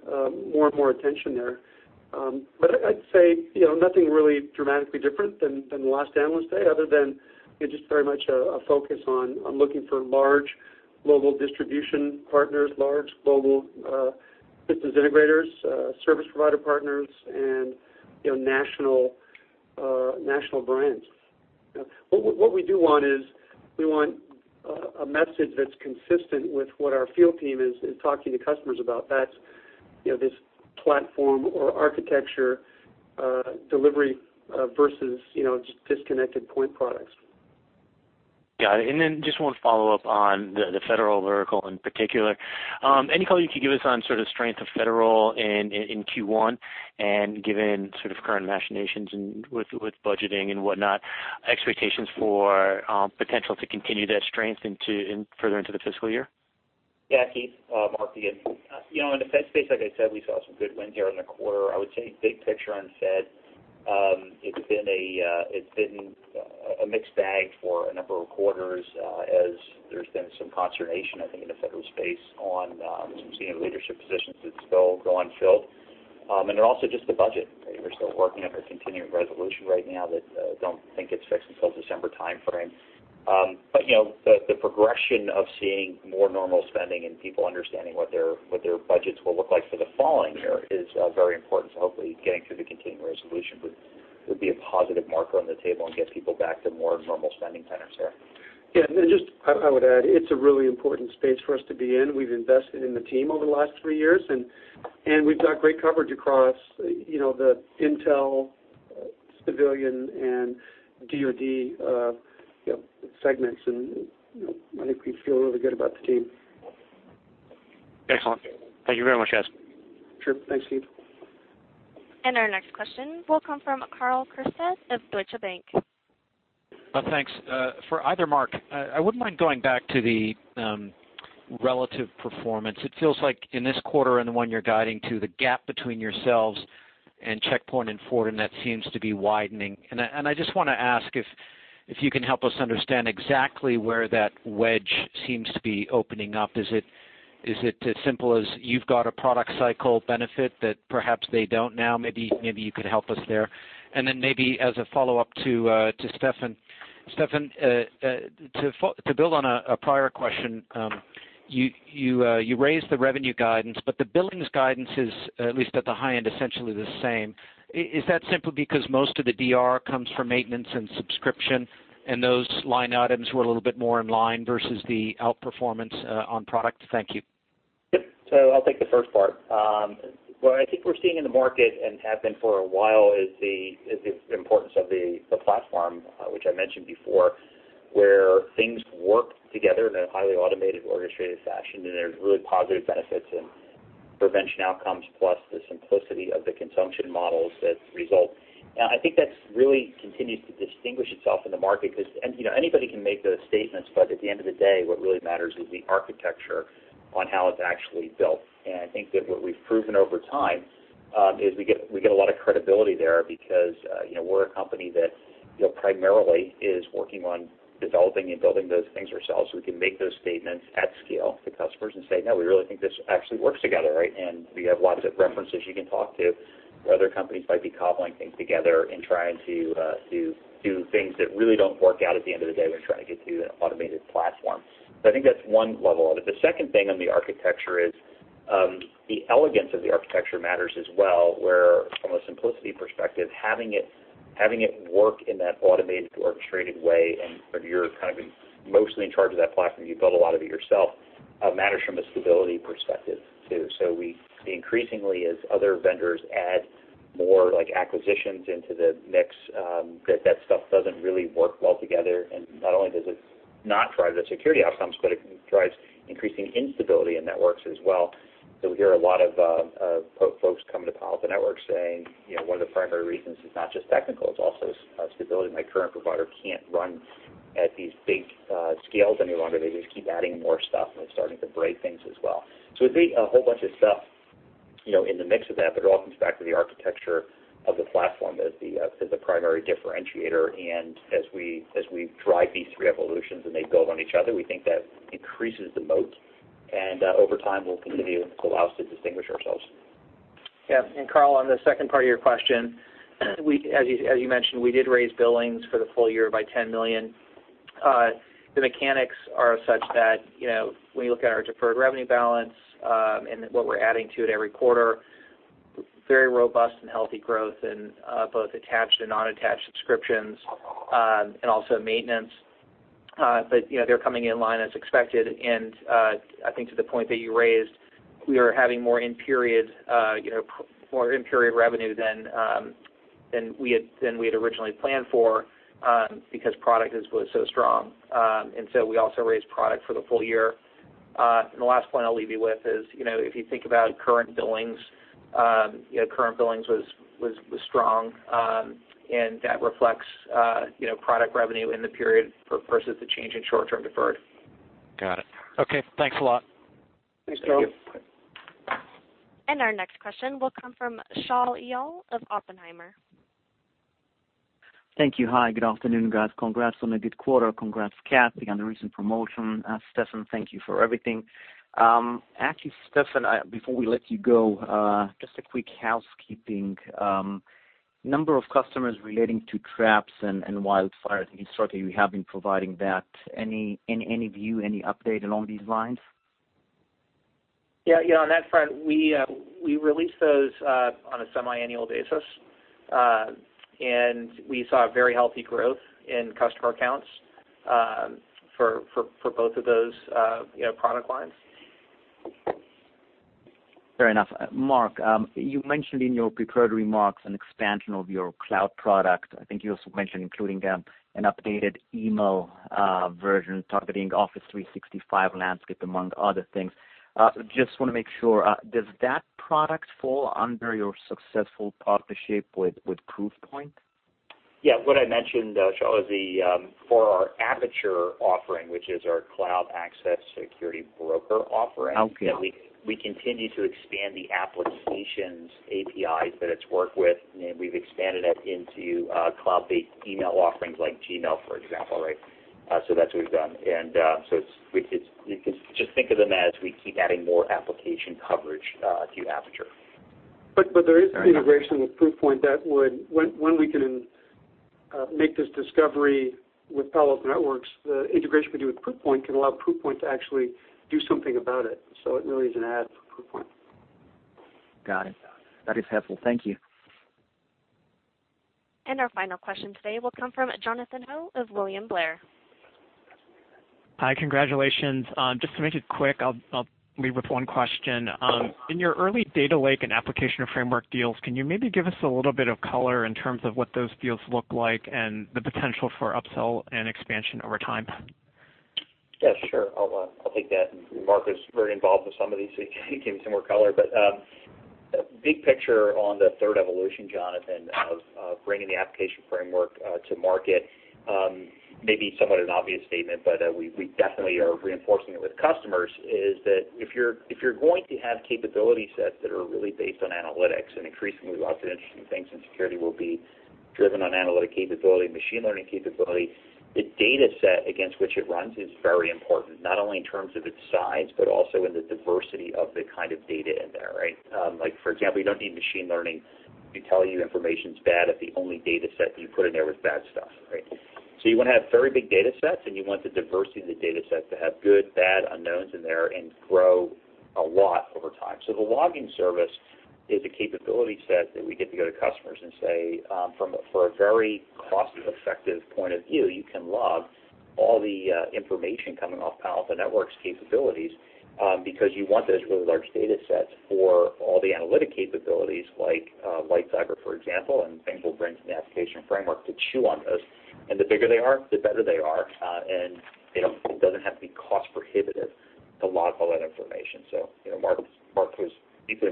more and more attention there. I'd say nothing really dramatically different than the last Analyst Day other than just very much a focus on looking for large global distribution partners, large global systems integrators, service provider partners, and national brands. What we do want is we want a message that's consistent with what our field team is talking to customers about. That's this platform or architecture delivery versus just disconnected point products. Got it. Just one follow-up on the federal vertical in particular. Any color you could give us on sort of strength of federal in Q1 and given sort of current machinations and with budgeting and whatnot, expectations for potential to continue that strength further into the fiscal year? Yeah, Keith. Mark here. In the Fed space, like I said, we saw some good wins here in the quarter. I would say big picture on Fed, it's been a mixed bag for a number of quarters as there's been some consternation, I think, in the federal space on some senior leadership positions that still go unfilled. Also just the budget. They're still working under a continuing resolution right now that don't think it's fixed until December timeframe. The progression of seeing more normal spending and people understanding what their budgets will look like for the following year is very important. Hopefully getting through the continuing resolution would be a positive marker on the table and get people back to more normal spending patterns there. Yeah. Just I would add, it's a really important space for us to be in. We've invested in the team over the last three years, and we've got great coverage across the intel, civilian, and DOD segments, and I think we feel really good about the team. Excellent. Thank you very much, guys. Sure. Thanks, Keith. Our next question will come from Karl Keirstead of Deutsche Bank. Thanks. For either Mark, I wouldn't mind going back to the relative performance. It feels like in this quarter and the one you're guiding to, the gap between yourselves and Check Point and Fortinet seems to be widening. I just want to ask if you can help us understand exactly where that wedge seems to be opening up. Is it as simple as you've got a product cycle benefit that perhaps they don't now? Maybe you could help us there. Then maybe as a follow-up to Steffan. Steffan, to build on a prior question, you raised the revenue guidance, but the billings guidance is, at least at the high end, essentially the same. Is that simply because most of the DR comes from maintenance and subscription, and those line items were a little bit more in line versus the outperformance on product? Thank you. Yep. I'll take the first part. What I think we're seeing in the market and have been for a while is the importance of the platform, which I mentioned before, where things work together in a highly automated, orchestrated fashion, and there's really positive benefits in prevention outcomes plus the simplicity of the consumption models that result. Now, I think that's really continued to distinguish itself in the market because anybody can make those statements, but at the end of the day, what really matters is the architecture on how it's actually built. I think that what we've proven over time is we get a lot of credibility there because we're a company that primarily is working on developing and building those things ourselves so we can make those statements at scale to customers and say, "No, we really think this actually works together," right? We have lots of references you can talk to where other companies might be cobbling things together and trying to do things that really don't work out at the end of the day when you're trying to get to an automated platform. I think that's one level of it. The second thing on the architecture is the elegance of the architecture matters as well, where from a simplicity perspective, having it work in that automated, orchestrated way, and you're kind of mostly in charge of that platform, you've built a lot of it yourself, matters from a stability perspective, too. We see increasingly as other vendors add more like acquisitions into the mix, that stuff doesn't really work well together, and not only does it not drive the security outcomes, but it drives increasing instability in networks as well. We hear a lot of folks come to Palo Alto Networks saying one of the primary reasons is not just technical, it's also stability. My current provider can't run at these big scales any longer. They just keep adding more stuff, and it's starting to break things as well. It'd be a whole bunch of stuff in the mix of that, but it all comes back to the architecture of the platform as the primary differentiator. As we drive these three evolutions and they build on each other, we think that increases the moat, and over time, we'll continue to allow us to distinguish ourselves. Yeah. Karl, on the second part of your question, as you mentioned, we did raise billings for the full year by $10 million. The mechanics are such that when you look at our deferred revenue balance and what we're adding to it every quarter, very robust and healthy growth in both attached and non-attached subscriptions and also maintenance. They're coming in line as expected, and I think to the point that you raised, we are having more in-period revenue than we had originally planned for because product was so strong. We also raised product for the full year. The last point I'll leave you with is, if you think about current billings, current billings was strong, and that reflects product revenue in the period versus the change in short-term deferred. Got it. Okay, thanks a lot. Thanks, Karl. Thank you. Our next question will come from Shaul Eyal of Oppenheimer. Thank you. Hi, good afternoon, guys. Congrats on a good quarter. Congrats, Kathy, on the recent promotion. Steffan, thank you for everything. Actually, Steffan, before we let you go, just a quick housekeeping. Number of customers relating to Traps and WildFire, I think historically we have been providing that. Any view, any update along these lines? Yeah. On that front, we release those on a semi-annual basis. We saw very healthy growth in customer counts for both of those product lines. Fair enough. Mark, you mentioned in your prepared remarks an expansion of your cloud product. I think you also mentioned including an updated email version targeting Office 365 landscape, among other things. Just want to make sure, does that product fall under your successful partnership with Proofpoint? Yeah. What I mentioned, Shaul, is for our Aperture offering, which is our cloud access security broker offering- Okay we continue to expand the applications' APIs that it's worked with, and we've expanded it into cloud-based email offerings like Gmail, for example. That's what we've done. You can just think of them as we keep adding more application coverage to Aperture. There is integration with Proofpoint that when we can make this discovery with Palo Alto Networks, the integration we do with Proofpoint can allow Proofpoint to actually do something about it. It really is an add for Proofpoint. Got it. That is helpful. Thank you. Our final question today will come from Jonathan Ho of William Blair. Hi. Congratulations. Just to make it quick, I'll lead with one question. In your early data lake and Application Framework deals, can you maybe give us a little bit of color in terms of what those deals look like and the potential for upsell and expansion over time? Yeah, sure. I'll take that. Mark was very involved with some of these, so he can give you some more color. Big picture on the third evolution, Jonathan, of bringing the Application Framework to market. Maybe somewhat an obvious statement, but we definitely are reinforcing it with customers, is that if you're going to have capability sets that are really based on analytics, and increasingly lots of interesting things in security will be driven on analytic capability, machine learning capability, the data set against which it runs is very important, not only in terms of its size, but also in the diversity of the kind of data in there. For example, you don't need machine learning to tell you information's bad if the only data set you put in there was bad stuff. You want to have very big data sets, you want the diversity of the data set to have good, bad unknowns in there and grow a lot over time. The Logging Service is a capability set that we get to go to customers and say, for a very cost-effective point of view, you can log all the information coming off Palo Alto Networks' capabilities because you want those really large data sets for all the analytic capabilities like LightCyber, for example, and things we'll bring to the Application Framework to chew on those. The bigger they are, the better they are. It doesn't have to be cost prohibitive to log all that information. Mark was deeply involved in a couple of the sales this quarter, maybe you want to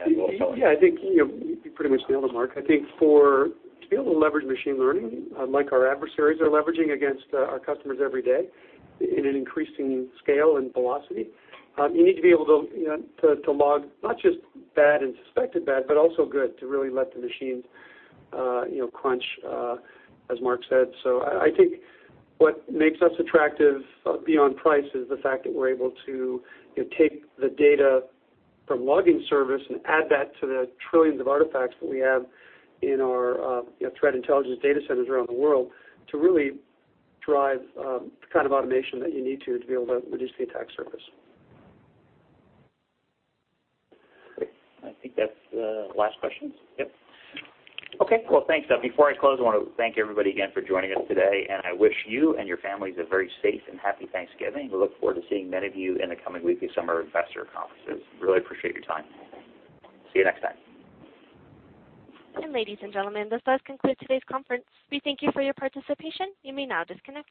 add a little color. Yeah, I think you pretty much nailed it, Mark. I think to be able to leverage machine learning like our adversaries are leveraging against our customers every day in an increasing scale and velocity, you need to be able to log not just bad and suspected bad, but also good to really let the machines crunch, as Mark said. I think what makes us attractive beyond price is the fact that we're able to take the data from Logging Service and add that to the trillions of artifacts that we have in our threat intelligence data centers around the world to really drive the kind of automation that you need to be able to reduce the attack surface. Great. I think that's the last question. Yep. Okay. Well, thanks. Before I close, I want to thank everybody again for joining us today, I wish you and your families a very safe and happy Thanksgiving. We look forward to seeing many of you in the coming [weeks at several] investor conferences. Really appreciate your time. See you next time. Ladies and gentlemen, this does conclude today's conference. We thank you for your participation. You may now disconnect.